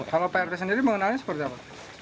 kalau prt sendiri mengenalnya seperti apa